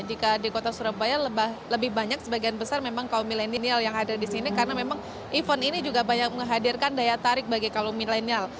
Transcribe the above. jika di kota surabaya lebih banyak sebagian besar memang kaum milenial yang hadir di sini karena memang event ini juga banyak menghadirkan daya tarik bagi kaum milenial